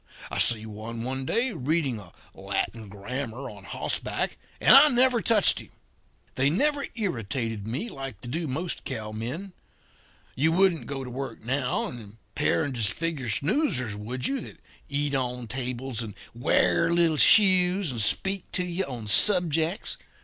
I see one, one day, reading a Latin grammar on hossback, and I never touched him! They never irritated me like they do most cowmen. You wouldn't go to work now, and impair and disfigure snoozers, would you, that eat on tables and wear little shoes and speak to you on subjects?